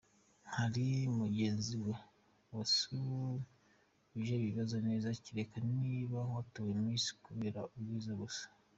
Hari mugenzi we wasubije ibibazo neza kereka niba mu gutora Miss bareba ubwiza gusa.